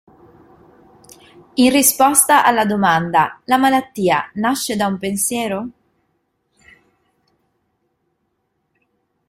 In risposta alla domanda "la malattia nasce da un pensiero?